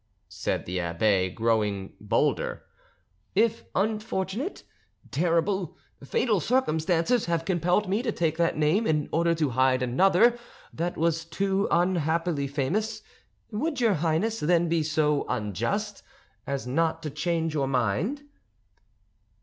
said the abbe, growing bolder; "if unfortunate, terrible, fatal circumstances have compelled me to take that name in order to hide another that was too unhappily famous, would your Highness then be so unjust as not to change your mind?"